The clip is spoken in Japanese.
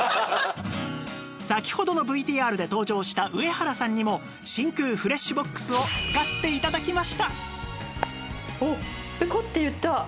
先ほどの ＶＴＲ で登場した上原さんにも真空フレッシュボックスを使って頂きました